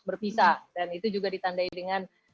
berpisah dan itu juga ditandai dengan